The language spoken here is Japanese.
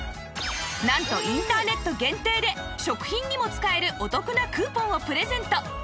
なんとインターネット限定で食品にも使えるお得なクーポンをプレゼント